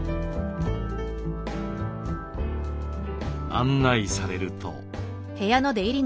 案内されると。